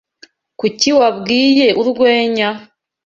Kuki wabwiye urwenya?